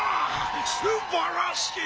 すばらしい！